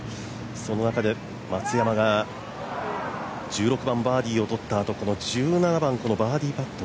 その中で松山が１６番バーディーをとったあとの１７番のバーディーパット